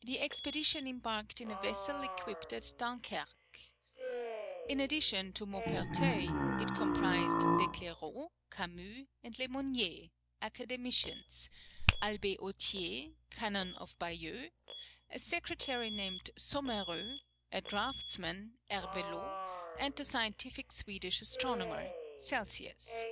The expedition embarked in a vessel equipped at Dunkerque. In addition to Maupertuis, it comprised De Clairaut, Camus, and Lemonnier, Academicians, Albey Outhier, canon of Bayeux, a secretary named Sommereux, a draughtsman, Herbelot, and the scientific Swedish astronomer, Celsius.